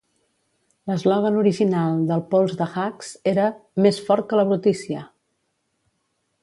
L'eslògan original del pols d'Ajax era Més fort que la brutícia!